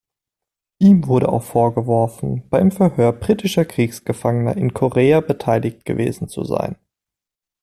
Ihm wurde auch vorgeworfen, beim Verhör britischer Kriegsgefangener in Korea beteiligt gewesen zu sein.